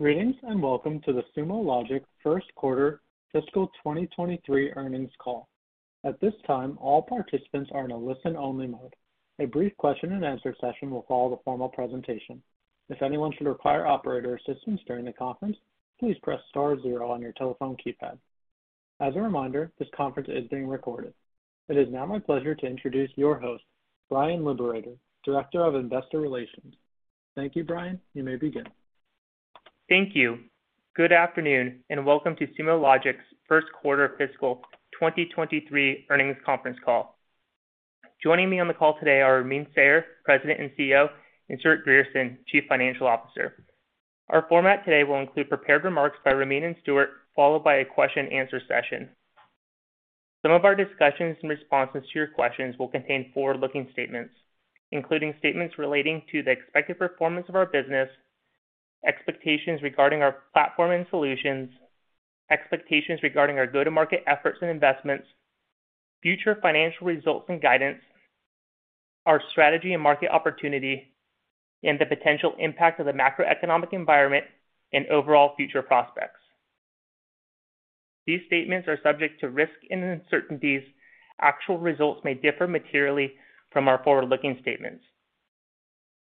Greetings, and welcome to the Sumo Logic first quarter fiscal 2023 earnings call. At this time, all participants are in a listen-only mode. A brief question-and-answer session will follow the formal presentation. If anyone should require operator assistance during the conference, please press star zero on your telephone keypad. As a reminder, this conference is being recorded. It is now my pleasure to introduce your host, Bryan Liberator, Director of Investor Relations. Thank you, Bryan. You may begin. Thank you. Good afternoon, and welcome to Sumo Logic's first quarter fiscal 2023 earnings conference call. Joining me on the call today are Ramin Sayar, President and CEO, and Stewart Grierson, Chief Financial Officer. Our format today will include prepared remarks by Ramin and Stewart, followed by a question answer session. Some of our discussions and responses to your questions will contain forward-looking statements, including statements relating to the expected performance of our business, expectations regarding our platform and solutions, expectations regarding our go-to-market efforts and investments, future financial results and guidance, our strategy and market opportunity, and the potential impact of the macroeconomic environment and overall future prospects. These statements are subject to risk and uncertainties. Actual results may differ materially from our forward-looking statements.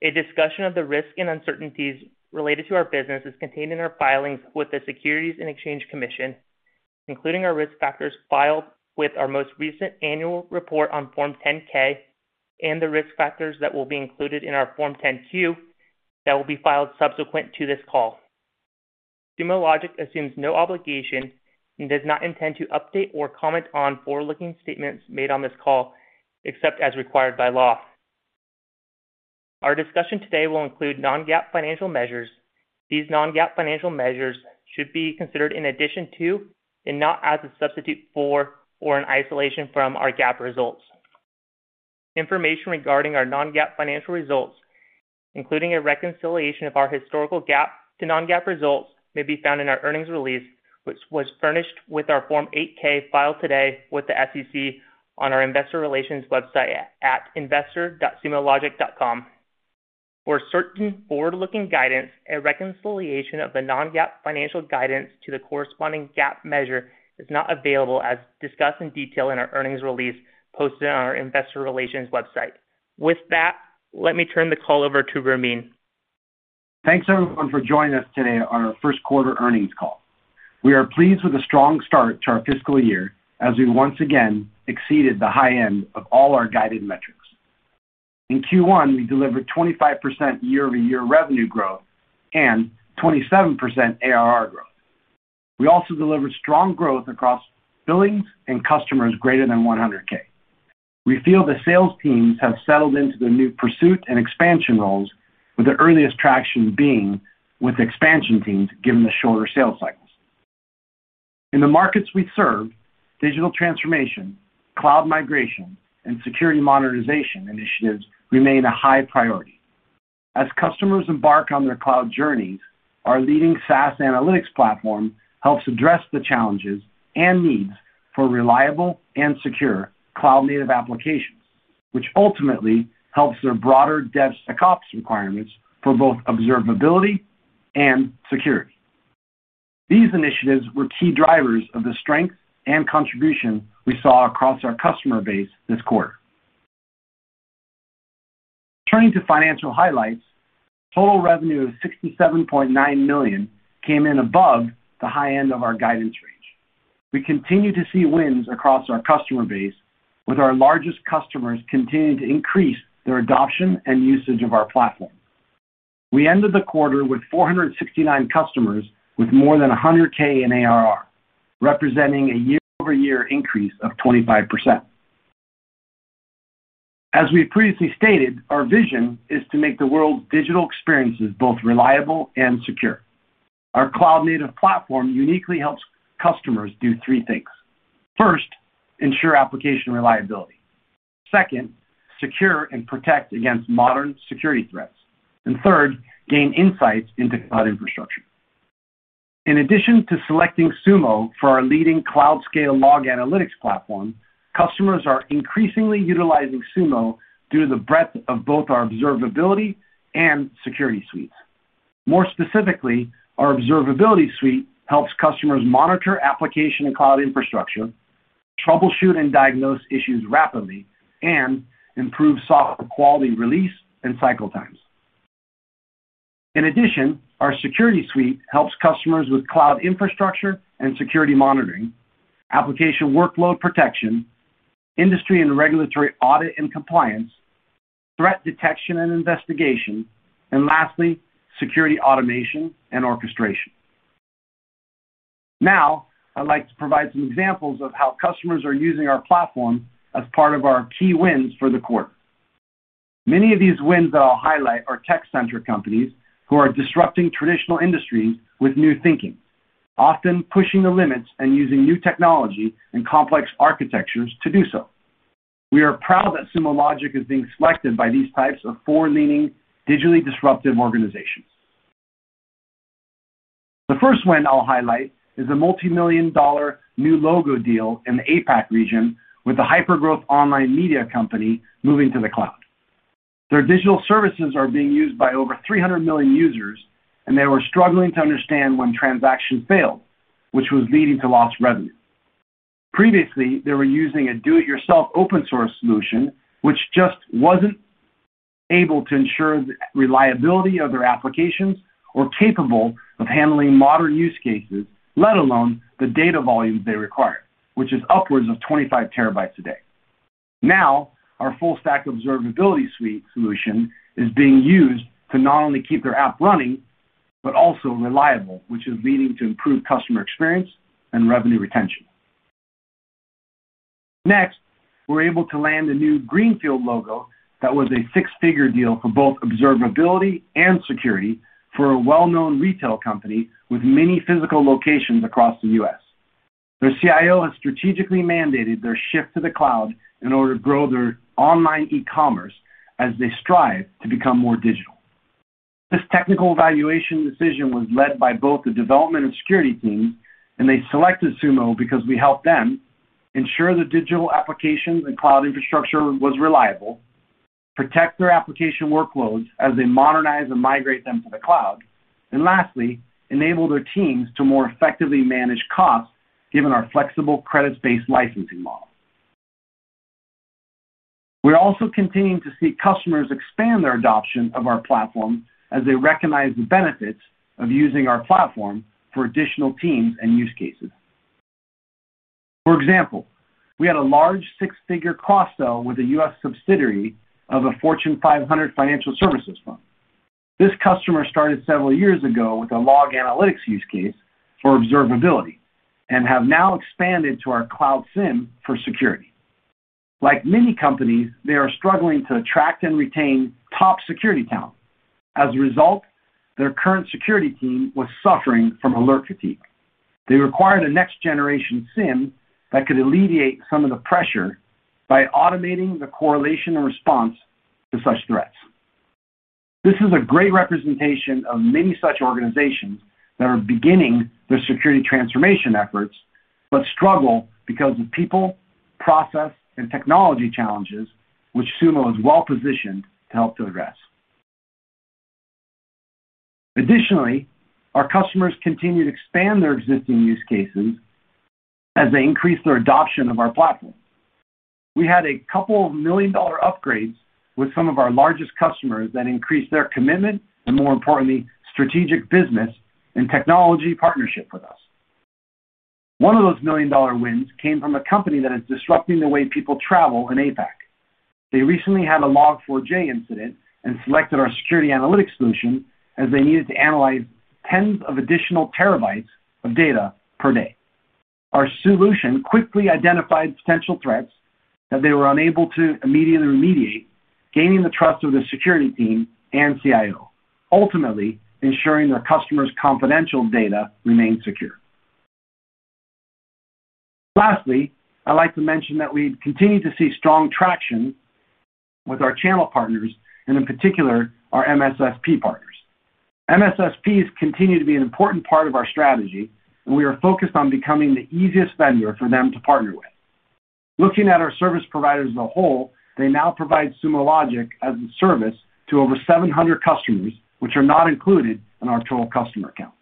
A discussion of the risks and uncertainties related to our business is contained in our filings with the Securities and Exchange Commission, including our risk factors filed with our most recent annual report on Form 10-K and the risk factors that will be included in our Form 10-Q that will be filed subsequent to this call. Sumo Logic assumes no obligation and does not intend to update or comment on forward-looking statements made on this call, except as required by law. Our discussion today will include non-GAAP financial measures. These non-GAAP financial measures should be considered in addition to and not as a substitute for or in isolation from our GAAP results. Information regarding our non-GAAP financial results, including a reconciliation of our historical GAAP to non-GAAP results, may be found in our earnings release, which was furnished with our Form 8-K filed today with the SEC on our investor relations website at investor.sumologic.com. For certain forward-looking guidance, a reconciliation of the non-GAAP financial guidance to the corresponding GAAP measure is not available, as discussed in detail in our earnings release posted on our investor relations website. With that, let me turn the call over to Ramin. Thanks everyone for joining us today on our first quarter earnings call. We are pleased with the strong start to our fiscal year as we once again exceeded the high end of all our guided metrics. In Q1, we delivered 25% year-over-year revenue growth and 27% ARR growth. We also delivered strong growth across billings and customers greater than $100,000. We feel the sales teams have settled into their new pursuit and expansion roles, with the earliest traction being with expansion teams given the shorter sales cycles. In the markets we serve, digital transformation, cloud migration, and security modernization initiatives remain a high priority. As customers embark on their cloud journeys, our leading SaaS analytics platform helps address the challenges and needs for reliable and secure cloud-native applications, which ultimately helps their broader DevSecOps requirements for both observability and security. These initiatives were key drivers of the strength and contribution we saw across our customer base this quarter. Turning to financial highlights, total revenue of $67.9 million came in above the high end of our guidance range. We continue to see wins across our customer base, with our largest customers continuing to increase their adoption and usage of our platform. We ended the quarter with 469 customers with more than $100,000 in ARR, representing a year-over-year increase of 25%. As we previously stated, our vision is to make the world's digital experiences both reliable and secure. Our cloud-native platform uniquely helps customers do three things. First, ensure application reliability. Second, secure and protect against modern security threats. Third, gain insights into cloud infrastructure. In addition to selecting Sumo for our leading cloud-scale log analytics platform, customers are increasingly utilizing Sumo due to the breadth of both our observability and security suites. More specifically, our observability suite helps customers monitor application and cloud infrastructure, troubleshoot and diagnose issues rapidly, and improve software quality release and cycle times. In addition, our security suite helps customers with cloud infrastructure and security monitoring, application workload protection, industry and regulatory audit and compliance, threat detection and investigation, and lastly, security automation and orchestration. Now, I'd like to provide some examples of how customers are using our platform as part of our key wins for the quarter. Many of these wins that I'll highlight are tech-centric companies who are disrupting traditional industries with new thinking, often pushing the limits and using new technology and complex architectures to do so. We are proud that Sumo Logic is being selected by these types of forward-leaning, digitally disruptive organizations. The first win I'll highlight is a multi-million-dollar new logo deal in the APAC region with a hypergrowth online media company moving to the cloud. Their digital services are being used by over 300 million users, and they were struggling to understand when transactions failed, which was leading to lost revenue. Previously, they were using a do-it-yourself open source solution, which just wasn't able to ensure the reliability of their applications or capable of handling modern use cases, let alone the data volumes they require, which is upwards of 25 TB a day. Now, our full stack observability suite solution is being used to not only keep their app running, but also reliable, which is leading to improved customer experience and revenue retention. Next, we're able to land a new greenfield logo that was a six-figure deal for both observability and security for a well-known retail company with many physical locations across the U.S. Their CIO has strategically mandated their shift to the cloud in order to grow their online e-commerce as they strive to become more digital. This technical evaluation decision was led by both the development and security teams, and they selected Sumo because we help them ensure the digital applications and cloud infrastructure was reliable, protect their application workloads as they modernize and migrate them to the cloud, and lastly, enable their teams to more effectively manage costs given our flexible credit-based licensing model. We're also continuing to see customers expand their adoption of our platform as they recognize the benefits of using our platform for additional teams and use cases. For example, we had a large six-figure cross-sell with a U.S. subsidiary of a Fortune 500 financial services firm. This customer started several years ago with a log analytics use case for observability, and have now expanded to our Cloud SIEM for security. Like many companies, they are struggling to attract and retain top security talent. As a result, their current security team was suffering from alert fatigue. They required a next-generation SIEM that could alleviate some of the pressure by automating the correlation and response to such threats. This is a great representation of many such organizations that are beginning their security transformation efforts, but struggle because of people, process, and technology challenges, which Sumo is well-positioned to help to address. Additionally, our customers continue to expand their existing use cases as they increase their adoption of our platform. We had a couple of million-dollar upgrades with some of our largest customers that increased their commitment, and more importantly, strategic business and technology partnership with us. One of those million-dollar wins came from a company that is disrupting the way people travel in APAC. They recently had a Log4j incident and selected our security analytics solution as they needed to analyze tens of additional terabytes of data per day. Our solution quickly identified potential threats that they were unable to immediately remediate, gaining the trust of the security team and CIO, ultimately ensuring their customers' confidential data remained secure. Lastly, I'd like to mention that we continue to see strong traction with our channel partners and in particular, our MSSP partners. MSSPs continue to be an important part of our strategy, and we are focused on becoming the easiest vendor for them to partner with. Looking at our service providers as a whole, they now provide Sumo Logic as a service to over 700 customers, which are not included in our total customer count.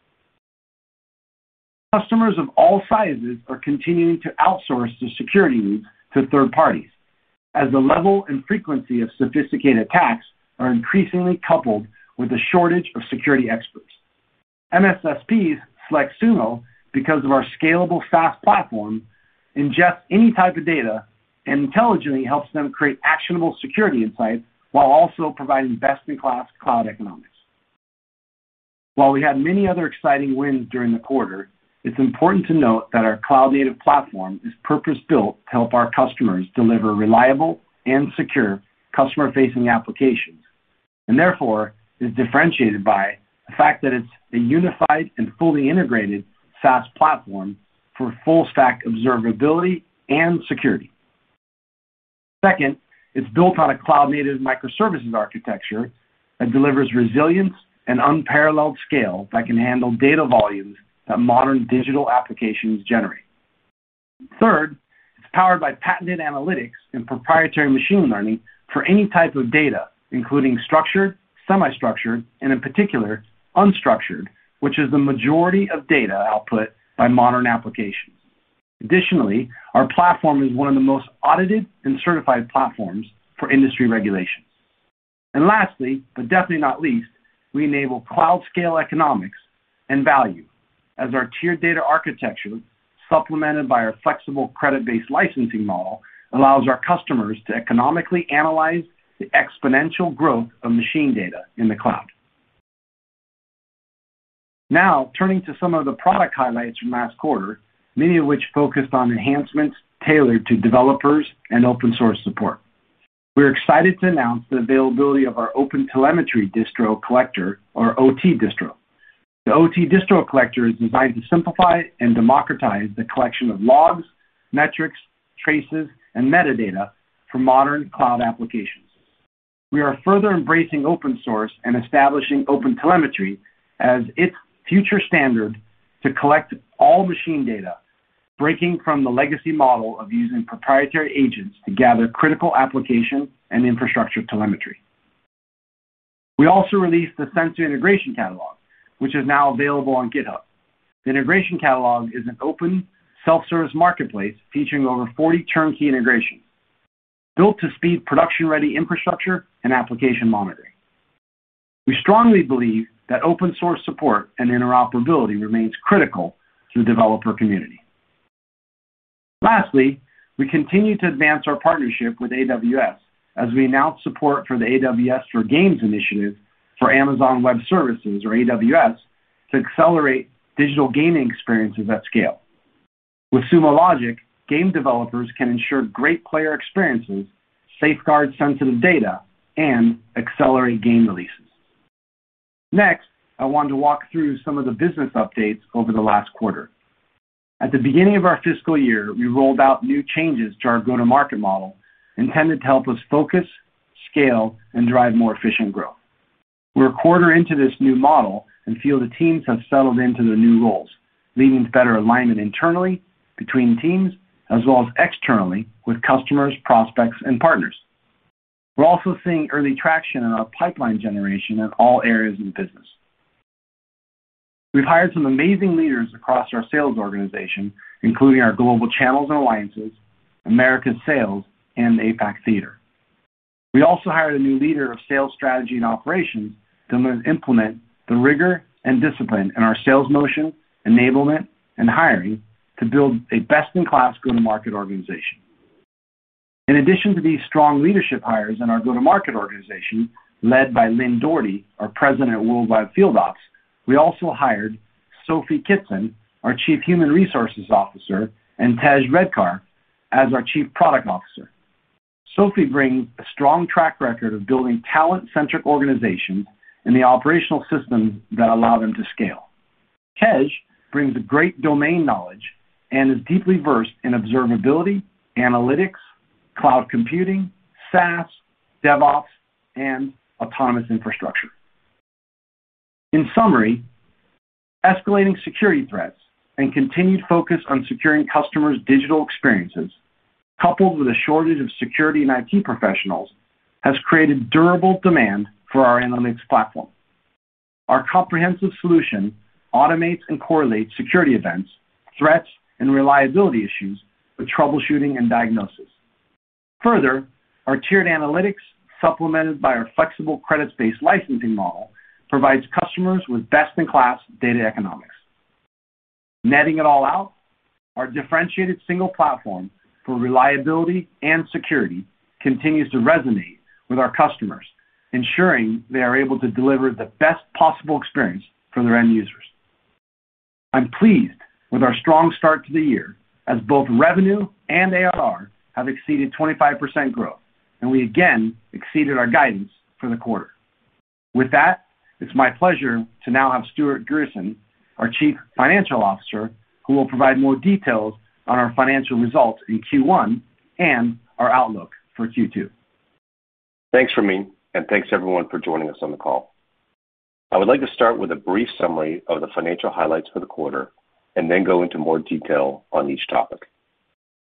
Customers of all sizes are continuing to outsource their security needs to third parties as the level and frequency of sophisticated attacks are increasingly coupled with a shortage of security experts. MSSPs select Sumo Logic because of our scalable SaaS platform, ingest any type of data, and intelligently helps them create actionable security insights while also providing best-in-class cloud economics. While we had many other exciting wins during the quarter, it's important to note that our cloud-native platform is purpose-built to help our customers deliver reliable and secure customer-facing applications, and therefore is differentiated by the fact that it's a unified and fully integrated SaaS platform for full stack observability and security. Second, it's built on a cloud-native microservices architecture that delivers resilience and unparalleled scale that can handle data volumes that modern digital applications generate. Third, it's powered by patented analytics and proprietary machine learning for any type of data, including structured, semi-structured, and in particular, unstructured, which is the majority of data output by modern applications. Additionally, our platform is one of the most audited and certified platforms for industry regulations. Lastly, but definitely not least, we enable cloud-scale economics and value as our tiered data architecture, supplemented by our flexible credit-based licensing model, allows our customers to economically analyze the exponential growth of machine data in the cloud. Now, turning to some of the product highlights from last quarter, many of which focused on enhancements tailored to developers and open source support. We're excited to announce the availability of our OpenTelemetry Distro Collector or OT Distro. The OT Distro Collector is designed to simplify and democratize the collection of logs, metrics, traces, and metadata for modern cloud applications. We are further embracing open source and establishing OpenTelemetry as its future standard to collect all machine data. Breaking from the legacy model of using proprietary agents to gather critical application and infrastructure telemetry. We also released the sensor integration catalog, which is now available on GitHub. The integration catalog is an open self-service marketplace featuring over 40 turnkey integrations built to speed production-ready infrastructure and application monitoring. We strongly believe that open source support and interoperability remains critical to the developer community. Lastly, we continue to advance our partnership with AWS as we announce support for the AWS for Games initiative for Amazon Web Services or AWS, to accelerate digital gaming experiences at scale. With Sumo Logic, game developers can ensure great player experiences, safeguard sensitive data, and accelerate game releases. Next, I want to walk through some of the business updates over the last quarter. At the beginning of our fiscal year, we rolled out new changes to our go-to-market model intended to help us focus, scale, and drive more efficient growth. We're a quarter into this new model and feel the teams have settled into their new roles, leading to better alignment internally between teams as well as externally with customers, prospects, and partners. We're also seeing early traction in our pipeline generation in all areas of the business. We've hired some amazing leaders across our sales organization, including our global channels and alliances, Americas sales, and the APAC theater. We also hired a new leader of sales strategy and operations to implement the rigor and discipline in our sales motion, enablement, and hiring to build a best-in-class go-to-market organization. In addition to these strong leadership hires in our go-to-market organization led by Lynne Doherty, our President of Worldwide Field Ops, we also hired Sophie Kitson, our Chief Human Resources Officer, and Tej Redkar as our Chief Product Officer. Sophie brings a strong track record of building talent-centric organizations and the operational systems that allow them to scale. Tej brings great domain knowledge and is deeply versed in observability, analytics, cloud computing, SaaS, DevOps, and autonomous infrastructure. In summary, escalating security threats and continued focus on securing customers' digital experiences, coupled with a shortage of security and IT professionals, has created durable demand for our analytics platform. Our comprehensive solution automates and correlates security events, threats, and reliability issues with troubleshooting and diagnosis. Further, our tiered analytics, supplemented by our flexible credits-based licensing model, provides customers with best-in-class data economics. Netting it all out, our differentiated single platform for reliability and security continues to resonate with our customers, ensuring they are able to deliver the best possible experience for their end users. I'm pleased with our strong start to the year as both revenue and ARR have exceeded 25% growth, and we again exceeded our guidance for the quarter. With that, it's my pleasure to now have Stewart Grierson, our Chief Financial Officer, who will provide more details on our financial results in Q1 and our outlook for Q2. Thanks, Ramin, and thanks everyone for joining us on the call. I would like to start with a brief summary of the financial highlights for the quarter and then go into more detail on each topic.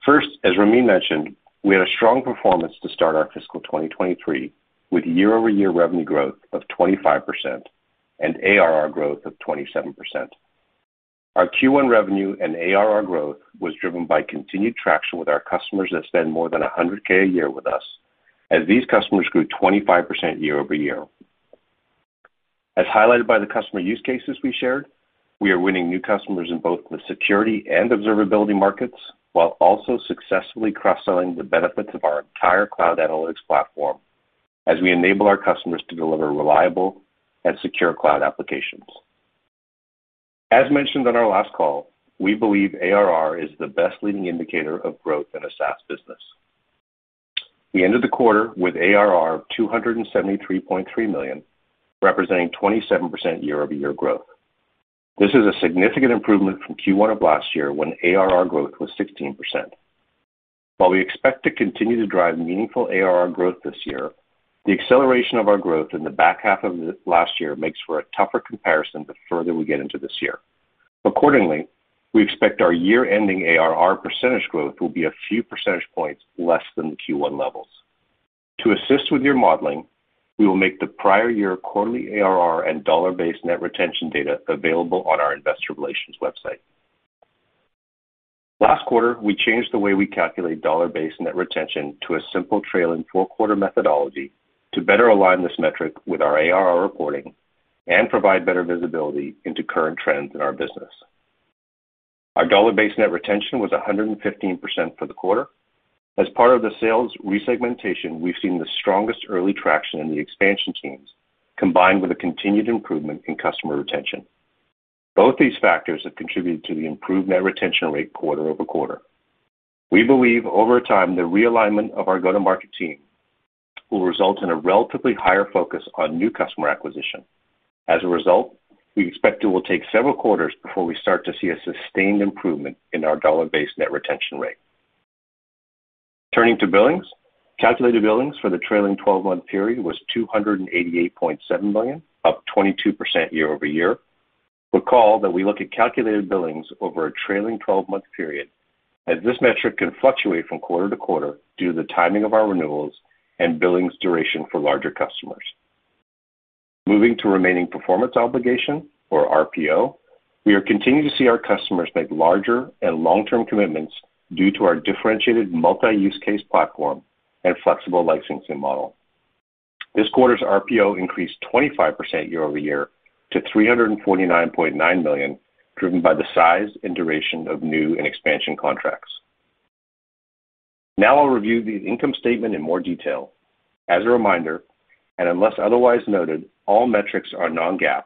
First, as Ramin mentioned, we had a strong performance to start our fiscal 2023, with year-over-year revenue growth of 25% and ARR growth of 27%. Our Q1 revenue and ARR growth was driven by continued traction with our customers that spend more than $100,000 a year with us as these customers grew 25% year-over-year. As highlighted by the customer use cases we shared, we are winning new customers in both the security and observability markets, while also successfully cross-selling the benefits of our entire cloud analytics platform as we enable our customers to deliver reliable and secure cloud applications. As mentioned on our last call, we believe ARR is the best leading indicator of growth in a SaaS business. We ended the quarter with ARR of $273.3 million, representing 27% year-over-year growth. This is a significant improvement from Q1 of last year when ARR growth was 16%. While we expect to continue to drive meaningful ARR growth this year, the acceleration of our growth in the back half of last year makes for a tougher comparison the further we get into this year. Accordingly, we expect our year-ending ARR percentage growth will be a few percentage points less than the Q1 levels. To assist with your modeling, we will make the prior year quarterly ARR and dollar-based net retention data available on our investor relations website. Last quarter, we changed the way we calculate dollar-based net retention to a simple trailing four-quarter methodology to better align this metric with our ARR reporting and provide better visibility into current trends in our business. Our dollar-based net retention was 115% for the quarter. As part of the sales resegmentation, we've seen the strongest early traction in the expansion teams, combined with a continued improvement in customer retention. Both these factors have contributed to the improved net retention rate quarter-over-quarter. We believe over time, the realignment of our go-to-market team will result in a relatively higher focus on new customer acquisition. As a result, we expect it will take several quarters before we start to see a sustained improvement in our dollar-based net retention rate. Turning to billings. Calculated billings for the trailing twelve-month period was $288.7 million, up 22% year-over-year. Recall that we look at calculated billings over a trailing twelve-month period, as this metric can fluctuate from quarter to quarter due to the timing of our renewals and billings duration for larger customers. Moving to remaining performance obligation or RPO, we are continuing to see our customers make larger and long-term commitments due to our differentiated multi-use case platform and flexible licensing model. This quarter's RPO increased 25% year-over-year to $349.9 million, driven by the size and duration of new and expansion contracts. Now I'll review the income statement in more detail. As a reminder, and unless otherwise noted, all metrics are non-GAAP.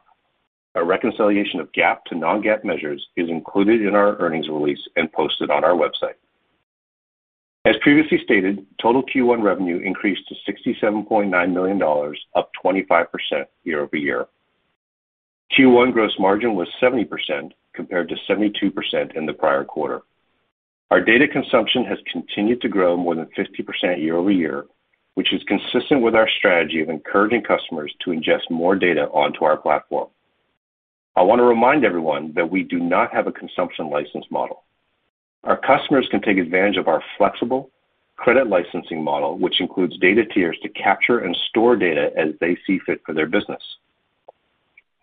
A reconciliation of GAAP to non-GAAP measures is included in our earnings release and posted on our website. As previously stated, total Q1 revenue increased to $67.9 million, up 25% year-over-year. Q1 gross margin was 70% compared to 72% in the prior quarter. Our data consumption has continued to grow more than 50% year-over-year, which is consistent with our strategy of encouraging customers to ingest more data onto our platform. I want to remind everyone that we do not have a consumption license model. Our customers can take advantage of our flexible credit licensing model, which includes data tiers to capture and store data as they see fit for their business.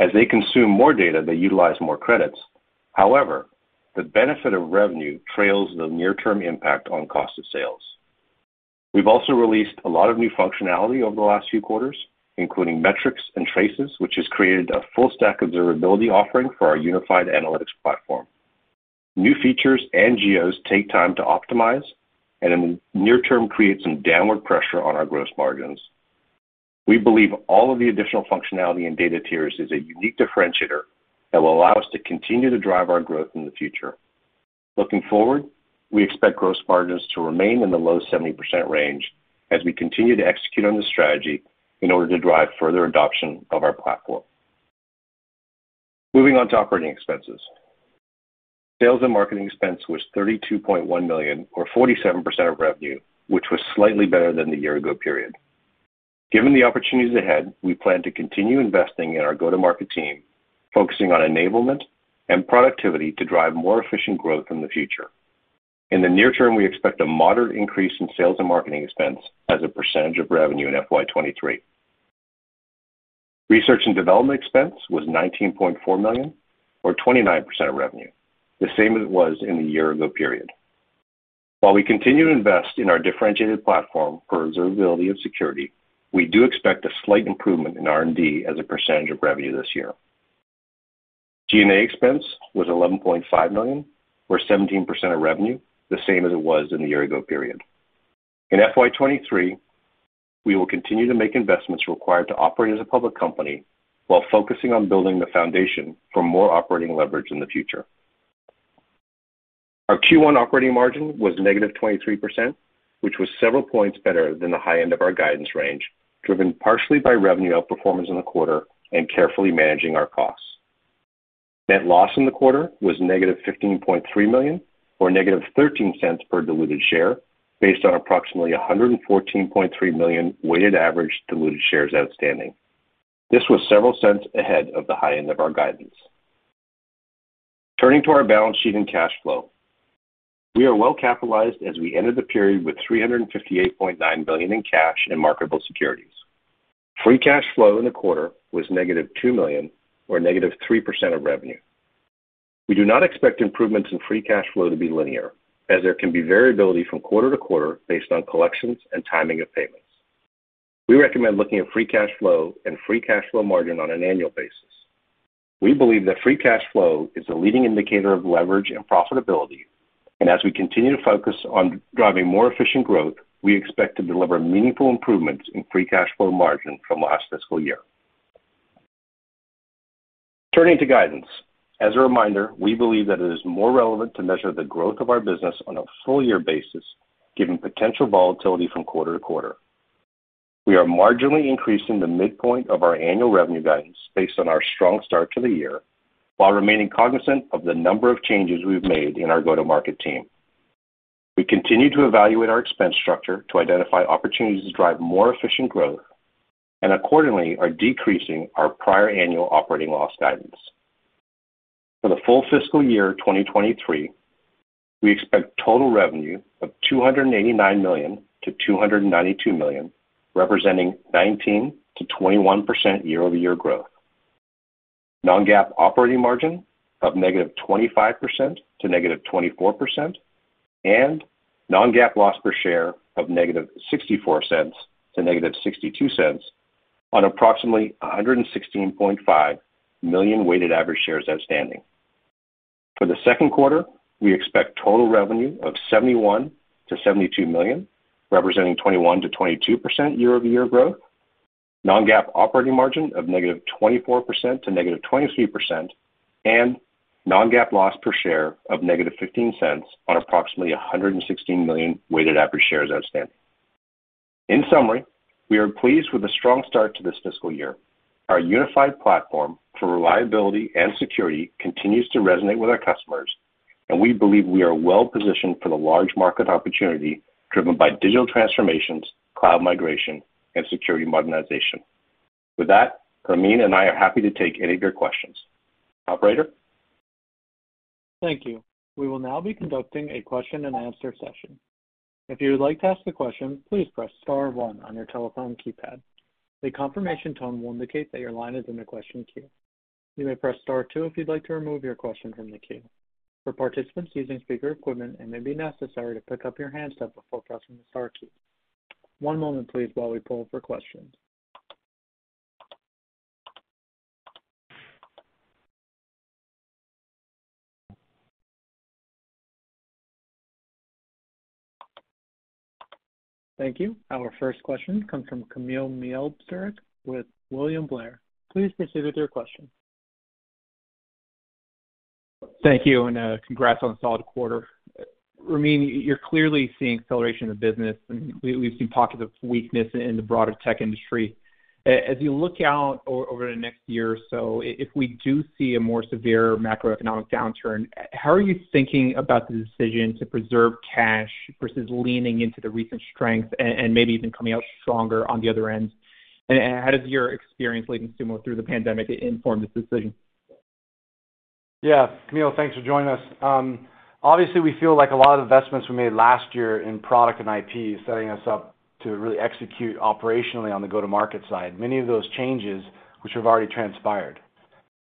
As they consume more data, they utilize more credits. However, the benefit of revenue trails the near-term impact on cost of sales. We've also released a lot of new functionality over the last few quarters, including metrics and traces, which has created a full stack observability offering for our unified analytics platform. New features and geos take time to optimize and in the near term create some downward pressure on our gross margins. We believe all of the additional functionality in data tiers is a unique differentiator that will allow us to continue to drive our growth in the future. Looking forward, we expect gross margins to remain in the low 70% range as we continue to execute on this strategy in order to drive further adoption of our platform. Moving on to operating expenses. Sales and marketing expense was $32.1 million or 47% of revenue, which was slightly better than the year ago period. Given the opportunities ahead, we plan to continue investing in our go-to-market team, focusing on enablement and productivity to drive more efficient growth in the future. In the near term, we expect a moderate increase in sales and marketing expense as a percentage of revenue in FY 2023. Research and development expense was $19.4 million or 29% of revenue, the same as it was in the year ago period. While we continue to invest in our differentiated platform for observability of security, we do expect a slight improvement in R&D as a percentage of revenue this year. G&A expense was $11.5 million or 17% of revenue, the same as it was in the year ago period. In FY 2023, we will continue to make investments required to operate as a public company while focusing on building the foundation for more operating leverage in the future. Our Q1 operating margin was -23%, which was several points better than the high end of our guidance range, driven partially by revenue outperformance in the quarter and carefully managing our costs. Net loss in the quarter was -$15.3 million or -$0.13 per diluted share based on approximately 114.3 million weighted average diluted shares outstanding. This was several cents ahead of the high end of our guidance. Turning to our balance sheet and cash flow. We are well-capitalized as we ended the period with $358.9 million in cash and marketable securities. Free cash flow in the quarter was -$2 million or -3% of revenue. We do not expect improvements in free cash flow to be linear, as there can be variability from quarter to quarter based on collections and timing of payments. We recommend looking at free cash flow and free cash flow margin on an annual basis. We believe that free cash flow is a leading indicator of leverage and profitability. As we continue to focus on driving more efficient growth, we expect to deliver meaningful improvements in free cash flow margin from last fiscal year. Turning to guidance. As a reminder, we believe that it is more relevant to measure the growth of our business on a full year basis, given potential volatility from quarter to quarter. We are marginally increasing the midpoint of our annual revenue guidance based on our strong start to the year, while remaining cognizant of the number of changes we've made in our go-to-market team. We continue to evaluate our expense structure to identify opportunities to drive more efficient growth, and accordingly are decreasing our prior annual operating loss guidance. For the full fiscal year 2023, we expect total revenue of $289 million-$292 million, representing 19%-21% year-over-year growth. Non-GAAP operating margin of -25% to -24%. non-GAAP loss per share of -$0.64 to -$0.62 on approximately 116.5 million weighted average shares outstanding. For the second quarter, we expect total revenue of $71 million-$72 million, representing 21%-22% year-over-year growth, non-GAAP operating margin of -24% to -23%, and non-GAAP loss per share of -$0.15 on approximately 116 million weighted average shares outstanding. In summary, we are pleased with the strong start to this fiscal year. Our unified platform for reliability and security continues to resonate with our customers, and we believe we are well-positioned for the large market opportunity driven by digital transformations, cloud migration, and security modernization. With that, Ramin and I are happy to take any of your questions. Operator? Thank you. We will now be conducting a question and answer session. If you would like to ask a question, please press star one on your telephone keypad. A confirmation tone will indicate that your line is in the question queue. You may press star two if you'd like to remove your question from the queue. For participants using speaker equipment, it may be necessary to pick up your handset before pressing the star key. One moment, please, while we pull for questions. Thank you. Our first question comes from Kamil Mielczarek with William Blair. Please proceed with your question. Thank you, and congrats on a solid quarter. Ramin, you're clearly seeing acceleration of business, and we've seen pockets of weakness in the broader tech industry. As you look out over the next year or so, if we do see a more severe macroeconomic downturn, how are you thinking about the decision to preserve cash versus leaning into the recent strength and maybe even coming out stronger on the other end? How does your experience leading Sumo Logic through the pandemic inform this decision? Yeah. Kamil, thanks for joining us. Obviously, we feel like a lot of investments we made last year in product and IP is setting us up to really execute operationally on the go-to-market side, many of those changes which have already transpired.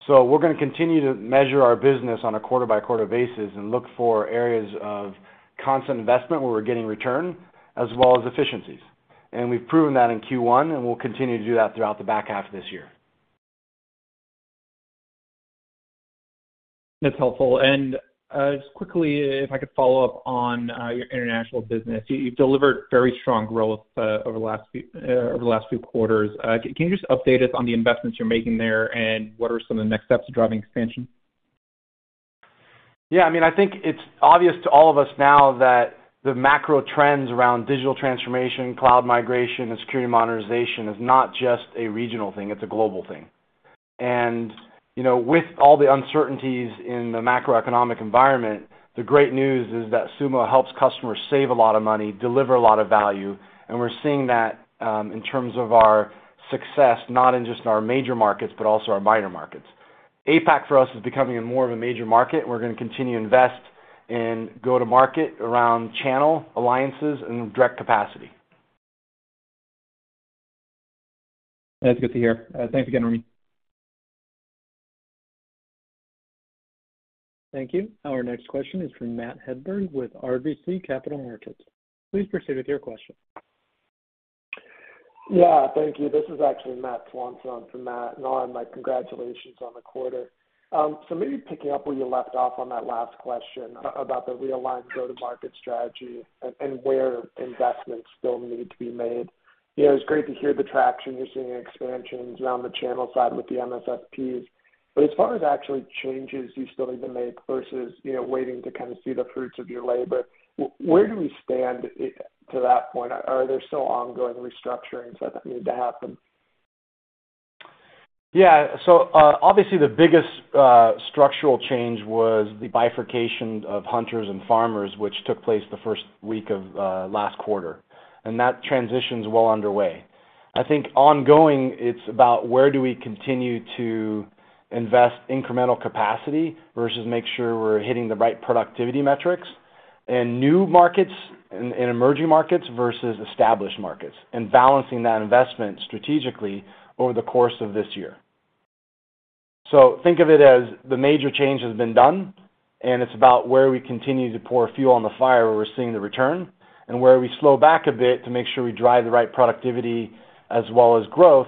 We're gonna continue to measure our business on a quarter-by-quarter basis and look for areas of constant investment where we're getting return, as well as efficiencies. We've proven that in Q1, and we'll continue to do that throughout the back half of this year. That's helpful. Just quickly, if I could follow up on your international business. You've delivered very strong growth over the last few quarters. Can you just update us on the investments you're making there, and what are some of the next steps to driving expansion? Yeah, I mean, I think it's obvious to all of us now that the macro trends around digital transformation, cloud migration, and security modernization is not just a regional thing, it's a global thing. You know, with all the uncertainties in the macroeconomic environment, the great news is that Sumo helps customers save a lot of money, deliver a lot of value, and we're seeing that in terms of our success, not in just our major markets, but also our minor markets. APAC for us is becoming more of a major market, and we're gonna continue to invest in go-to-market around channel alliances and direct capacity. That's good to hear. Thanks again, Ramin. Thank you. Our next question is from Matt Hedberg with RBC Capital Markets. Please proceed with your question. Yeah, thank you. This is actually Matt Swanson for Matt. Ramin, my congratulations on the quarter. Maybe picking up where you left off on that last question about the realigned go-to-market strategy and where investments still need to be made. You know, it's great to hear the traction you're seeing in expansions around the channel side with the MSSPs, but as far as actually changes you still need to make versus, you know, waiting to kind of see the fruits of your labor, where do we stand to that point? Are there still ongoing restructurings that need to happen? Yeah. Obviously the biggest structural change was the bifurcation of hunters and farmers, which took place the first week of last quarter, and that transition's well underway. I think ongoing it's about where do we continue to invest incremental capacity versus make sure we're hitting the right productivity metrics in new markets, in emerging markets versus established markets, and balancing that investment strategically over the course of this year. Think of it as the major change has been done, and it's about where we continue to pour fuel on the fire where we're seeing the return and where we slow back a bit to make sure we drive the right productivity as well as growth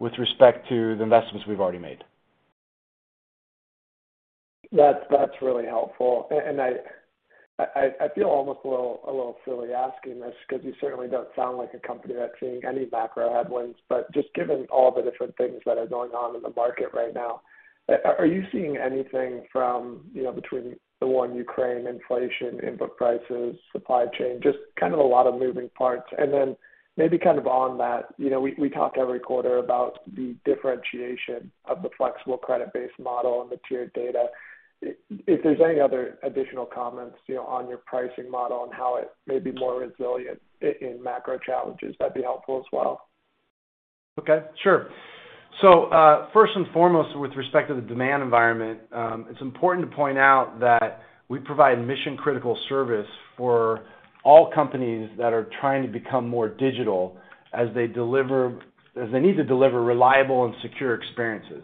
with respect to the investments we've already made. That's really helpful. I feel almost a little silly asking this because you certainly don't sound like a company that's seeing any macro headwinds, but just given all the different things that are going on in the market right now, are you seeing anything from, you know, between the war in Ukraine, inflation, input prices, supply chain, just kind of a lot of moving parts? Then maybe kind of on that, you know, we talk every quarter about the differentiation of the flexible credit-based model and the tiered data. If there's any other additional comments, you know, on your pricing model and how it may be more resilient in macro challenges, that'd be helpful as well. Okay, sure. First and foremost, with respect to the demand environment, it's important to point out that we provide mission-critical service for all companies that are trying to become more digital as they need to deliver reliable and secure experiences.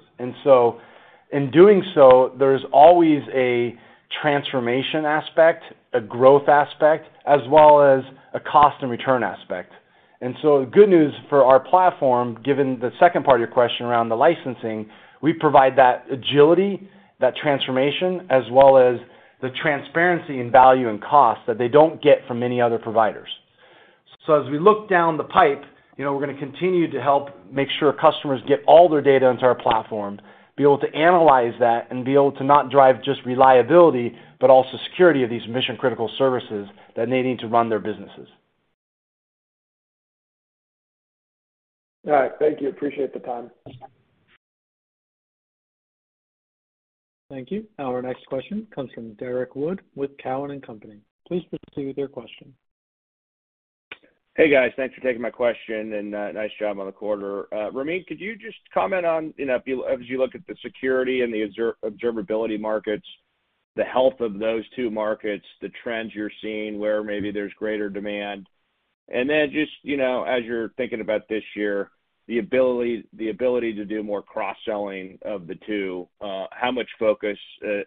In doing so, there's always a transformation aspect, a growth aspect, as well as a cost and return aspect. The good news for our platform, given the second part of your question around the licensing, we provide that agility, that transformation, as well as the transparency in value and cost that they don't get from many other providers. You know, we're gonna continue to help make sure customers get all their data into our platform, be able to analyze that, and be able to not drive just reliability, but also security of these mission-critical services that they need to run their businesses. All right. Thank you. Appreciate the time. Thank you. Our next question comes from Derrick Wood with Cowen & Company. Please proceed with your question. Hey, guys. Thanks for taking my question, and nice job on the quarter. Ramin, could you just comment on, you know, as you look at the security and the observability markets, the health of those two markets, the trends you're seeing where maybe there's greater demand. Just, you know, as you're thinking about this year, the ability to do more cross-selling of the two, how much focus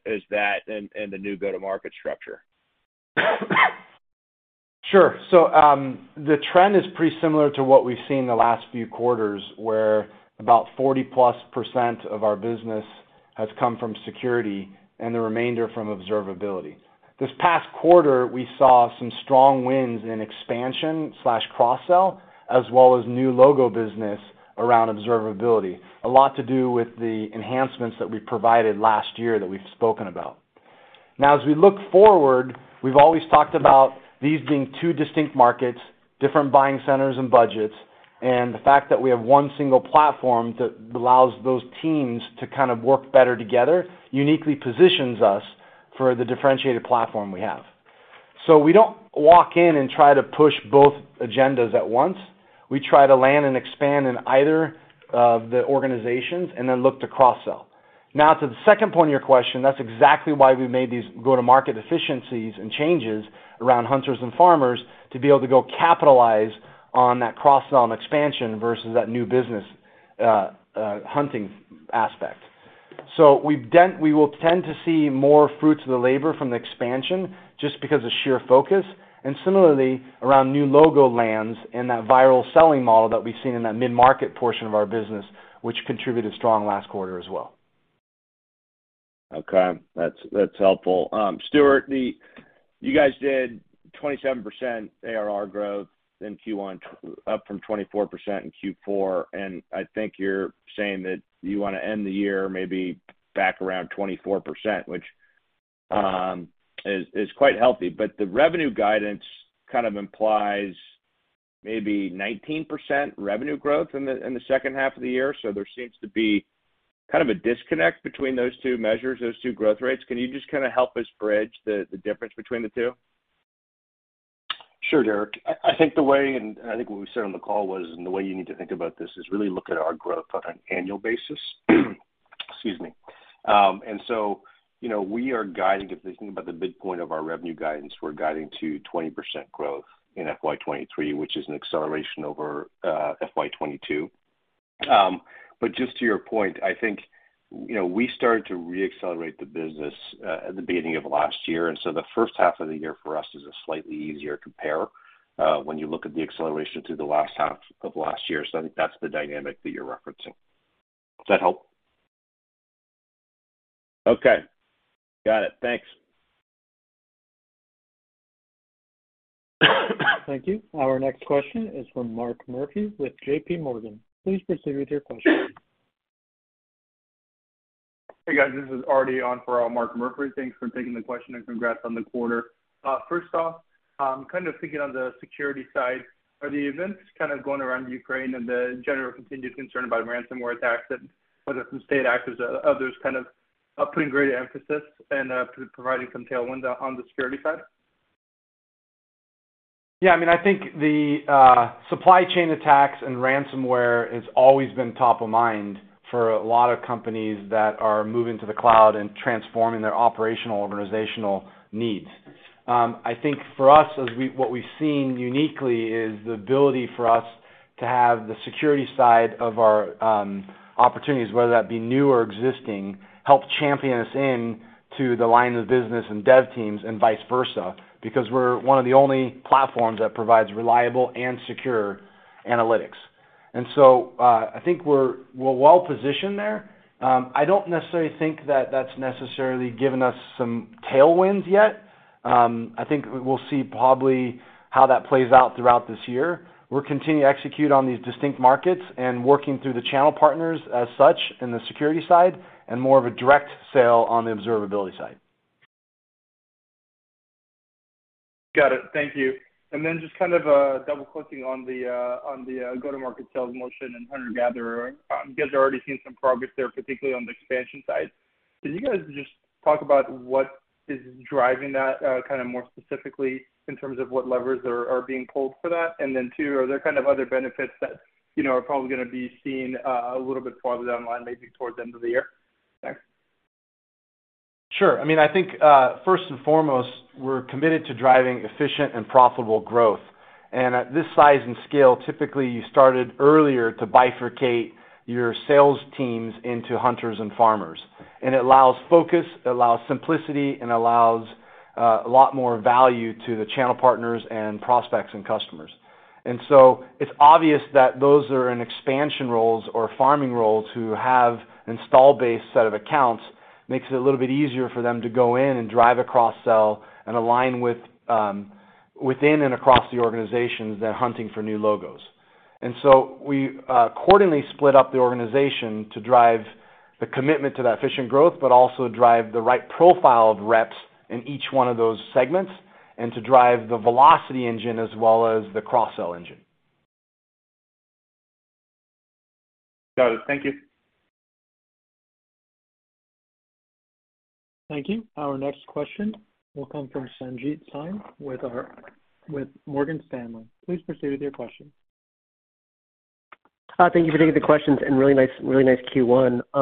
is that in the new go-to-market structure? Sure. The trend is pretty similar to what we've seen the last few quarters, where about 40%+ of our business has come from security and the remainder from observability. This past quarter, we saw some strong wins in expansion/cross-sell, as well as new logo business around observability. A lot to do with the enhancements that we provided last year that we've spoken about. Now as we look forward, we've always talked about these being two distinct markets, different buying centers and budgets, and the fact that we have one single platform that allows those teams to kind of work better together uniquely positions us for the differentiated platform we have. We don't walk in and try to push both agendas at once. We try to land and expand in either of the organizations and then look to cross-sell. Now to the second point of your question, that's exactly why we made these go-to-market efficiencies and changes around hunters and farmers to be able to go capitalize on that cross-sell and expansion versus that new business, hunting aspect. We will tend to see more fruits of the labor from the expansion just because of sheer focus, and similarly around new logo lands and that viral selling model that we've seen in that mid-market portion of our business, which contributed strongly last quarter as well. Okay. That's helpful. Stewart, you guys did 27% ARR growth in Q1, up from 24% in Q4, and I think you're saying that you wanna end the year maybe back around 24%, which is quite healthy. The revenue guidance kind of implies maybe 19% revenue growth in the second half of the year. There seems to be kind of a disconnect between those two measures, those two growth rates. Can you just kinda help us bridge the difference between the two? Sure, Derrick. I think what we said on the call was, and the way you need to think about this is really look at our growth on an annual basis. You know, we are guiding. If you think about the big point of our revenue guidance, we're guiding to 20% growth in FY 2023, which is an acceleration over FY 2022. But just to your point, I think, you know, we started to re-accelerate the business at the beginning of last year, and so the first half of the year for us is a slightly easier compare when you look at the acceleration through the last half of last year. I think that's the dynamic that you're referencing. Does that help? Okay. Got it. Thanks. Thank you. Our next question is from Mark Murphy with JPMorgan. Please proceed with your question. Hey, guys. This is RD on for Mark Murphy. Thanks for taking the question and congrats on the quarter. First off, kind of thinking on the security side, are the events kind of going around Ukraine and the general continued concern about ransomware attacks and whether some state actors or others kind of are putting greater emphasis and, providing some tailwind, on the security side? Yeah, I mean, I think the supply chain attacks and ransomware has always been top of mind for a lot of companies that are moving to the cloud and transforming their operational organizational needs. I think for us what we've seen uniquely is the ability for us to have the security side of our opportunities, whether that be new or existing, help champion us in to the lines of business and dev teams and vice versa, because we're one of the only platforms that provides reliable and secure analytics. I think we're well positioned there. I don't necessarily think that that's necessarily given us some tailwinds yet. I think we will see probably how that plays out throughout this year. We'll continue to execute on these distinct markets and working through the channel partners as such in the security side and more of a direct sale on the observability side. Got it. Thank you. Just kind of double-clicking on the go-to-market sales motion and hunter-gatherer. You guys are already seeing some progress there, particularly on the expansion side. Can you guys just talk about what is driving that kind of more specifically in terms of what levers are being pulled for that? Two, are there kind of other benefits that, you know, are probably gonna be seen a little bit farther down the line, maybe towards the end of the year? Thanks. Sure. I mean, I think, first and foremost, we're committed to driving efficient and profitable growth. At this size and scale, typically you started earlier to bifurcate your sales teams into hunters and farmers. It allows focus, it allows simplicity, and allows, a lot more value to the channel partners and prospects and customers. It's obvious that those that are in expansion roles or farming roles who have installed base set of accounts, makes it a little bit easier for them to go in and drive a cross sell and align with, within and across the organizations than hunting for new logos. We accordingly split up the organization to drive the commitment to that efficient growth, but also drive the right profile of reps in each one of those segments and to drive the velocity engine as well as the cross-sell engine. Got it. Thank you. Thank you. Our next question will come from Sanjit Singh with Morgan Stanley. Please proceed with your question. Thank you for taking the questions and really nice Q1. I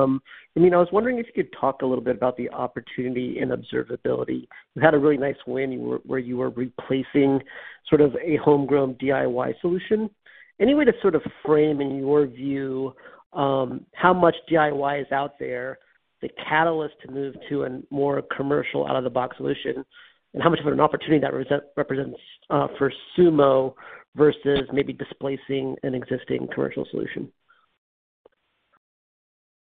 mean, I was wondering if you could talk a little bit about the opportunity in observability. You had a really nice win where you were replacing sort of a homegrown DIY solution. Any way to sort of frame, in your view, how much DIY is out there, the catalyst to move to a more commercial out-of-the-box solution, and how much of an opportunity that represents for Sumo versus maybe displacing an existing commercial solution?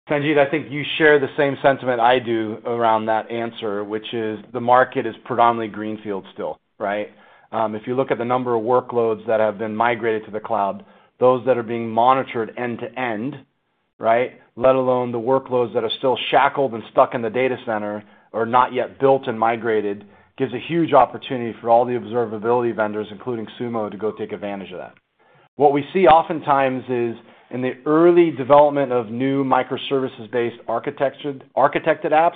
Sanjit, I think you share the same sentiment I do around that answer, which is the market is predominantly greenfield still, right? If you look at the number of workloads that have been migrated to the cloud, those that are being monitored end to end, right, let alone the workloads that are still shackled and stuck in the data center or not yet built and migrated, gives a huge opportunity for all the observability vendors, including Sumo, to go take advantage of that. What we see oftentimes is in the early development of new microservices-based architected apps,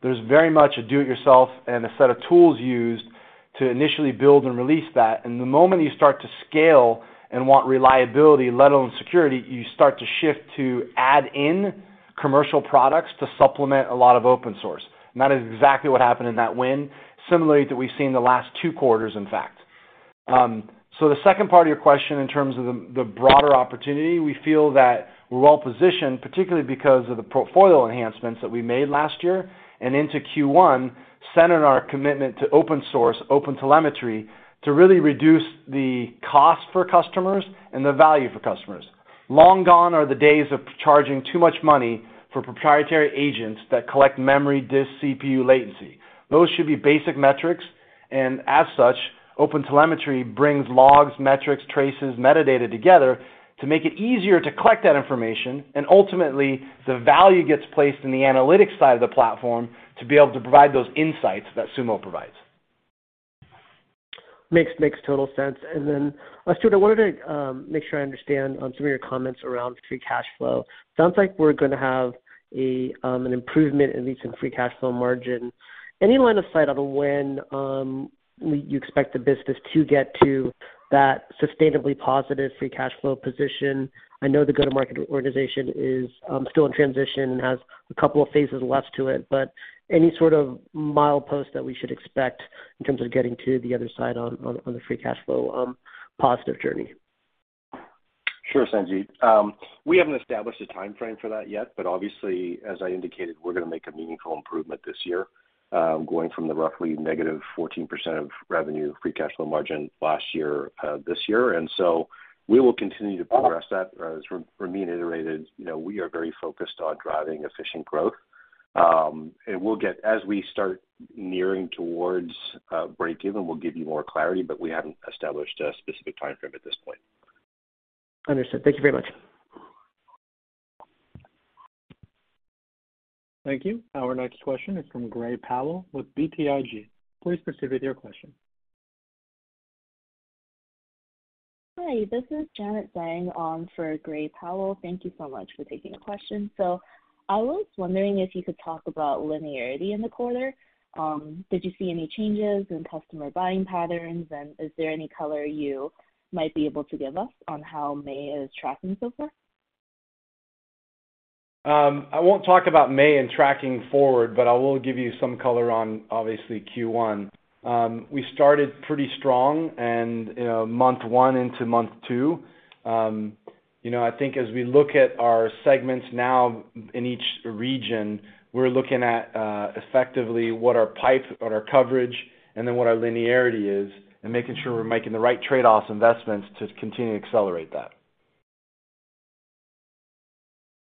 there's very much a do it yourself and a set of tools used to initially build and release that. The moment you start to scale and want reliability, let alone security, you start to shift to add in commercial products to supplement a lot of open source. That is exactly what happened in that win. Similar to what we've seen the last two quarters, in fact. The second part of your question in terms of the broader opportunity, we feel that we're well positioned, particularly because of the portfolio enhancements that we made last year and into Q1, centered our commitment to open source, OpenTelemetry, to really reduce the cost for customers and the value for customers. Long gone are the days of charging too much money for proprietary agents that collect memory disk CPU latency. Those should be basic metrics, and as such, OpenTelemetry brings logs, metrics, traces, metadata together to make it easier to collect that information, and ultimately, the value gets placed in the analytics side of the platform to be able to provide those insights that Sumo provides. Makes total sense. Stewart, I wanted to make sure I understand on some of your comments around free cash flow. Sounds like we're gonna have an improvement in leads in free cash flow margin. Any line of sight on when you expect the business to get to that sustainably positive free cash flow position? I know the go-to-market organization is still in transition and has a couple of phases left to it, but any sort of mileposts that we should expect in terms of getting to the other side on the free cash flow positive journey? Sure, Sanjit. We haven't established a timeframe for that yet, but obviously, as I indicated, we're gonna make a meaningful improvement this year, going from the roughly negative 14% of revenue free cash flow margin last year, this year. We will continue to progress that. As Ramin iterated, you know, we are very focused on driving efficient growth. As we start nearing towards break-even, we'll give you more clarity, but we haven't established a specific timeframe at this point. Understood. Thank you very much. Thank you. Our next question is from Gray Powell with BTIG. Please proceed with your question. Hi, this is Janet Zhang on for Gray Powell. Thank you so much for taking the question. I was wondering if you could talk about linearity in the quarter. Did you see any changes in customer buying patterns, and is there any color you might be able to give us on how May is tracking so far? I won't talk about May and tracking forward, but I will give you some color on, obviously, Q1. We started pretty strong and, you know, month one into month two. You know, I think as we look at our segments now in each region, we're looking at, effectively, what our pipe or our coverage and then what our linearity is and making sure we're making the right trade-offs, investments to continue to accelerate that.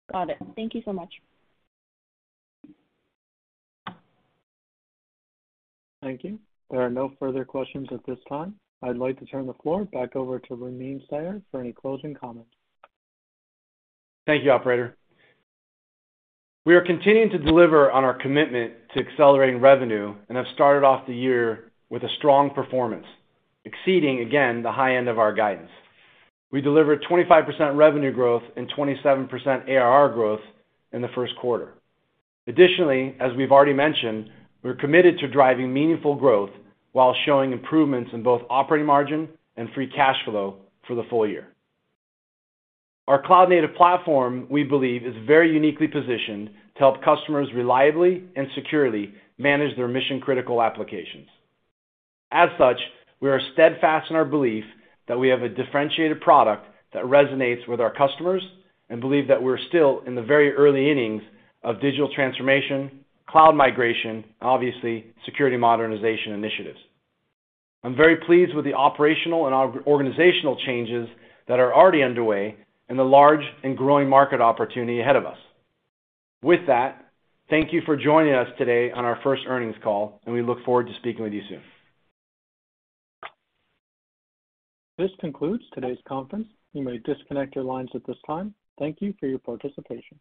Got it. Thank you so much. Thank you. There are no further questions at this time. I'd like to turn the floor back over to Ramin Sayar for any closing comments. Thank you, operator. We are continuing to deliver on our commitment to accelerating revenue and have started off the year with a strong performance, exceeding again the high end of our guidance. We delivered 25% revenue growth and 27% ARR growth in the first quarter. Additionally, as we've already mentioned, we're committed to driving meaningful growth while showing improvements in both operating margin and free cash flow for the full year. Our cloud-native platform, we believe, is very uniquely positioned to help customers reliably and securely manage their mission-critical applications. As such, we are steadfast in our belief that we have a differentiated product that resonates with our customers and believe that we're still in the very early innings of digital transformation, cloud migration, and obviously, security modernization initiatives. I'm very pleased with the operational and organizational changes that are already underway and the large and growing market opportunity ahead of us. With that, thank you for joining us today on our first earnings call, and we look forward to speaking with you soon. This concludes today's conference. You may disconnect your lines at this time. Thank you for your participation.